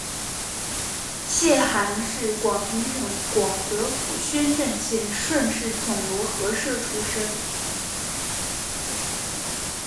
谢涵是广平省广泽府宣政县顺示总罗河社出生。